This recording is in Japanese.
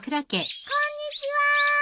こんにちは。